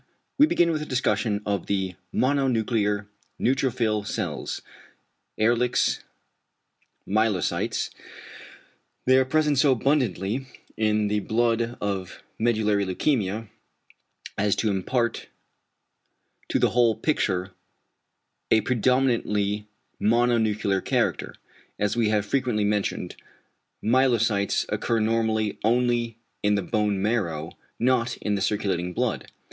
We begin with the discussion of the =mononuclear neutrophil cells=, Ehrlich's "=myelocytes=." They are present so abundantly in the blood of medullary leukæmia as to impart to the whole picture a predominantly mononuclear character. As we have frequently mentioned, myelocytes occur normally only in the bone marrow, not in the circulating blood.